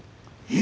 え！